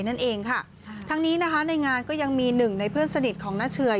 นั่นเองค่ะทั้งนี้นะคะในงานก็ยังมีหนึ่งในเพื่อนสนิทของน้าเชย